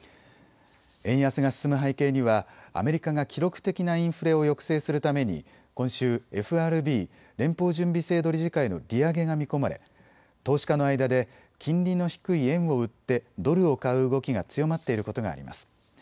円安が進む背景にはアメリカが記録的なインフレを抑制するために今週、ＦＲＢ・連邦準備制度理事会の利上げが見込まれ投資家の間で金利の低い円を売ってドルを買う動きが強まっていることがあります。